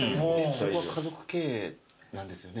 ここは家族経営なんですよね？